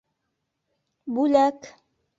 Бүләк.